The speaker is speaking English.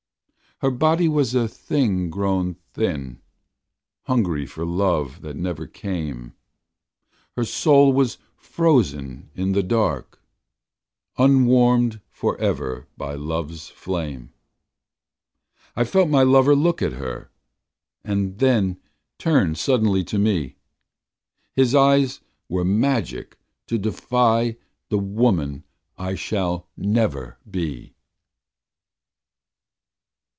Her body was a thing grown thin, Hungry for love that never came; Her soul was frozen in the dark, Unwarmed forever by love's flame. I felt my lover look at her And then turn suddenly to me His eyes were magic to defy The woman I shall never be.